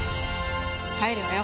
帰るわよ。